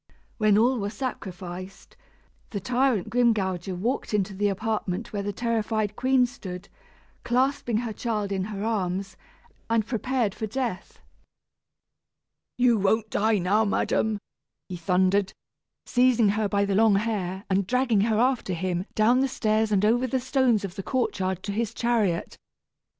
When all were sacrificed, the tyrant Grimgouger walked into the apartment where the terrified queen stood, clasping her child in her arms, and prepared for death. "You won't die now, madam," he thundered, seizing her by the long hair, and dragging her after him down the stairs and over the stones of the courtyard to his chariot.